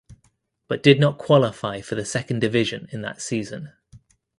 But did not qualify for the second division in that season.